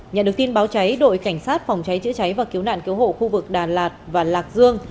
nhận được tin báo cháy đội cảnh sát phòng cháy chữa cháy và cứu nạn cứu hộ khu vực đà lạt và lạc dương